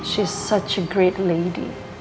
dia seorang wanita yang sangat hebat